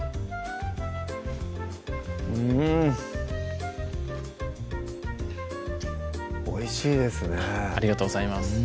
うんおいしいですねありがとうございます